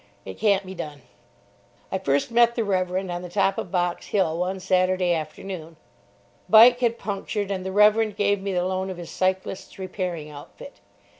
It can't be done. I first met the Reverend on the top of Box Hill one Saturday afternoon. Bike had punctured, and the Reverend gave me the loan of his cyclists' repairing outfit.